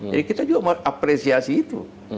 jadi kita juga mengapresiasi itu